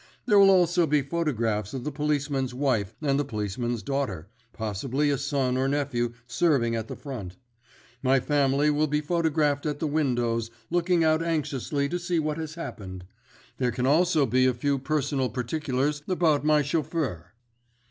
There will also be photographs of the policeman's wife and the policeman's daughter—possibly a son or nephew serving at the front. My family will be photographed at the windows, looking out anxiously to see what has happened. There can also be a few personal particulars about my chauffeur.